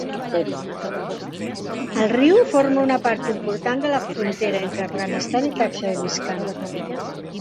El riu forma una part important de la frontera entre Afganistan i Tadjikistan.